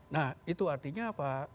nah itu artinya apa